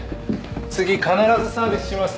次必ずサービスしますから。